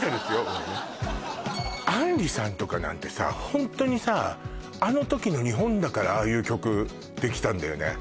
もうね杏里さんとかなんてさホントにさああの時の日本だからああいう曲できたんだよね